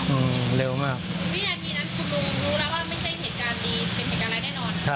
อืมเร็วมาก